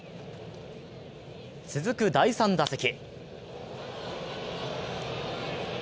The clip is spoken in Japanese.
続く第３打席。